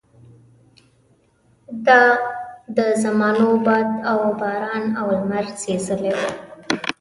دا د زمانو باد او باران او لمر سېزلي وو.